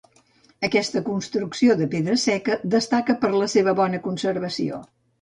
Aquesta construcció de pedra seca destaca per la seva bona conservació.